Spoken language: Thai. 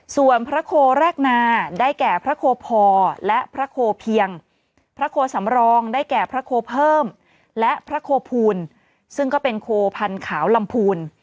ส่วนพระโคแรกนาได้แก่พระโคพอและพระโคเพียงพระโคสำรองได้แก่พระโคเพิ่มและพระโคพูลซึ่งก็เป็นโคพันธ์ขาวลำพูน